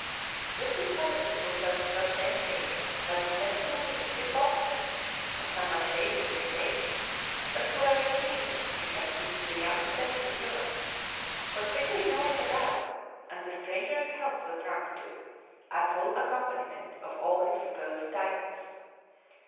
This discovery, which was substantiated by the testimony of two officers of somewhat shady reputation, but who were reputed to have seen the young prince in Europe, was quickly noised about, and the stranger's health was drunk to a full accompaniment of all his supposed titles.